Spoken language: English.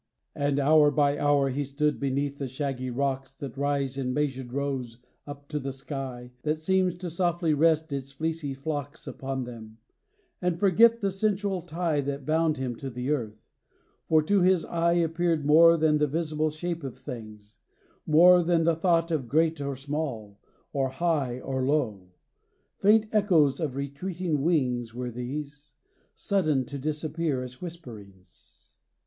CHRISTMAS EVE. VI. And hour by hour he stood beneath the shaggy rocks That rise in measured rows up to the sky That seems to softly rest its fleecy flocks Upon them; and forgot the sensual tie That bound him to the earth; for to his eye Appeared more than the visil:)le shape of things; More than the tho't of great or small, or high Or low. Faint echoes of retreating wings Were these; sudden to disappear as whisperings.